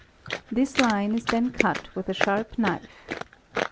'This line is then cut with a sharp knife.